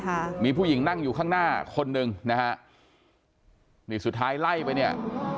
ค่ะมีผู้หญิงนั่งอยู่ข้างหน้าคนหนึ่งนะฮะนี่สุดท้ายไล่ไปเนี่ย